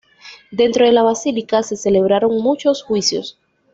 Dentro de la basílica se celebraron muchos juicios.